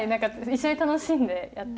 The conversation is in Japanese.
一緒に楽しんでやってます。